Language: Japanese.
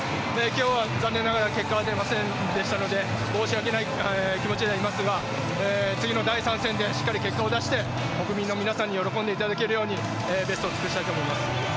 今日は残念ながら結果は出ませんでしたので、申し訳ない気持ちではいますが、次の第３戦でしっかり結果を出して国民の皆さんに喜んでいただけるようにベストを尽くしたいと思います。